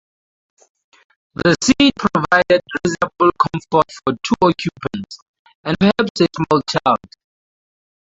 The seat provided reasonable comfort for two occupants, and perhaps a small child.